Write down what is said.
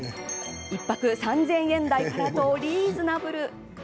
１泊３０００円台からとリーズナブル。